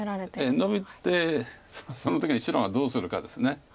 ノビてその時に白がどうするかです。